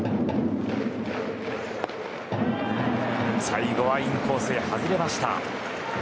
最後はインコースへ外れました。